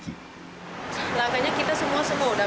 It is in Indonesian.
kita sudah lapor tinggal kita tunggu hasilnya aja